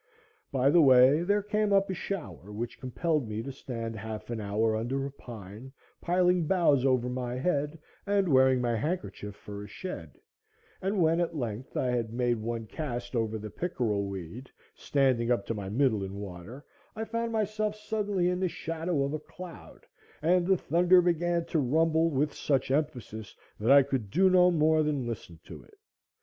By the way there came up a shower, which compelled me to stand half an hour under a pine, piling boughs over my head, and wearing my handkerchief for a shed; and when at length I had made one cast over the pickerel weed, standing up to my middle in water, I found myself suddenly in the shadow of a cloud, and the thunder began to rumble with such emphasis that I could do no more than listen to it.